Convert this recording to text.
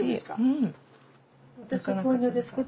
うん。